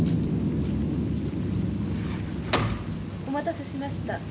お待たせしました。